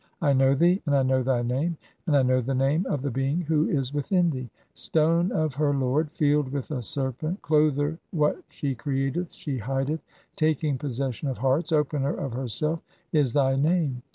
I know thee, and I know thy name, and (69) 1 "know the name of the being who is within thee. 'Stone (?) of "her lord, field with a serpent (?), Clother, what she createth she "hideth, taking possession of hearts, opener of herself, is thy "name.